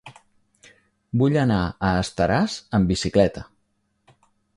Vull anar a Estaràs amb bicicleta.